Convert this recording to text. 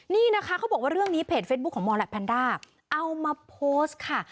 นี่นะคะเขาบอกว่าเรื่องนี้เพจเฟซบุ๊คของมอลและแพนด้าเอามาโพสต์ค่ะ